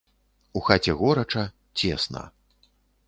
У хаце горача, цесна.